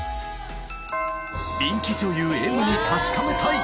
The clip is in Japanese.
人気女優Ｍに確かめたい。